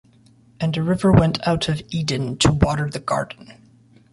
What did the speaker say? And a river went out of Eden to water the garden;